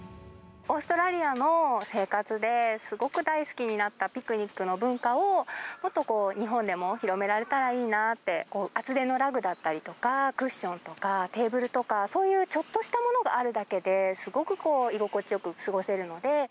オーストラリアの生活ですごく大好きになったピクニックの文化を、もっとこう、日本でも広められたらいいなあって、厚手のラグだったりとか、クッションとかテーブルとか、そういうちょっとしたものがあるだけで、すごく居心地よく過ごせるので。